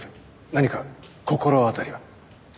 何か心当たりは？